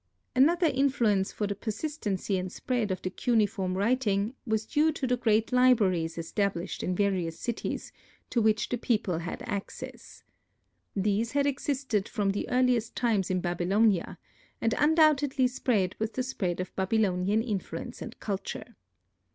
Another influence for the persistency and spread of the cuneiform writing, was due to the great libraries established in various cities, to which the people had access. These had existed from the earliest times in Babylonia, and undoubtedly spread with the spread of Babylonian influence and culture.